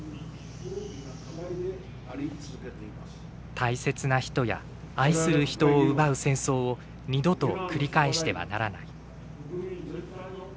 大切な人や愛する人を奪う戦争を二度と繰り返してはならない。